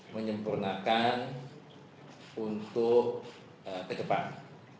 menyempurnakan untuk berkembang